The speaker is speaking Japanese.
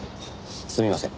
すみません。